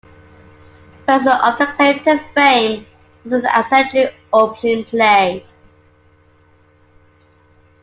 Ware's other claim to fame was his eccentric opening play.